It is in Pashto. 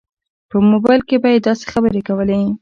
په موبایل کې به یې داسې خبرې کولې.